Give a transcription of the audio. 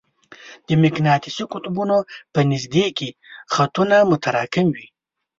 د مقناطیسي قطبونو په نژدې کې خطونه متراکم دي.